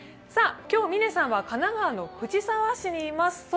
今日、嶺さんは神奈川の藤沢市にいます。